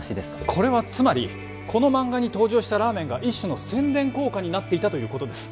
これはつまりこの漫画に登場したラーメンが一種の宣伝効果になっていたということです